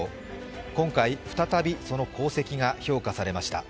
今回、再びその功績が評価されました。